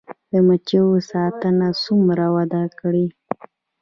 د مچیو ساتنه څومره وده کړې؟